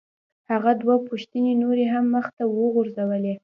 هغه دوه پوښتنې نورې هم مخ ته وغورځولې.